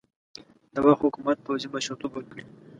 د وخت حکومت پوځي مشرتوب ورکړي.